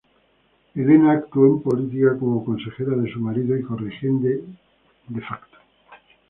Elena actuó en política como consejera de su marido y corregente "de facto".